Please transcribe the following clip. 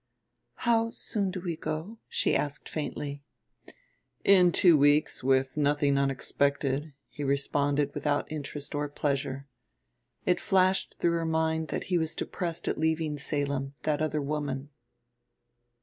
"How soon do we go?" she asked faintly. "In two weeks, with nothing unexpected," he responded without interest or pleasure. It flashed through her mind that he was depressed at leaving Salem, that other woman.